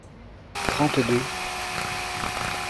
Trente-deux.